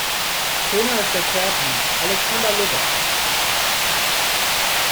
Trainer ist der Kärntner Alexander Lugger.